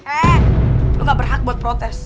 hei kamu tidak berhak untuk protes